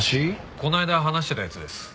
この間話してた奴です。